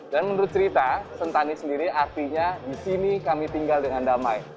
dan menurut cerita sentani sendiri artinya di sini kami tinggal dengan damai